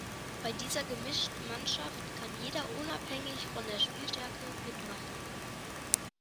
Bei dieser gemischten Mannschaft kann jeder unabhängig von der Spielstärke mitmachen.